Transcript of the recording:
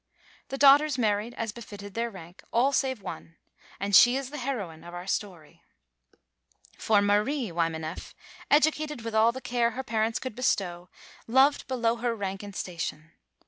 The daughters married as befitted their rank, all save one, and she is the heroine of the story. For Marie Wymaneff, educated with all the care her parents could bestow, loved below her rank and station.